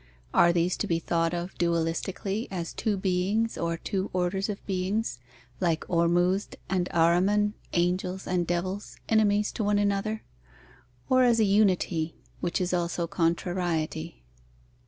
(Are these to be thought of dualistically, as two beings or two orders of beings, like Ormuzd and Ahriman, angels and devils, enemies to one another; or as a unity, which is also contrariety?)